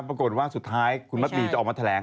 ปรากฏว่าสุดท้ายคุณมัดหมี่จะออกมาแถลง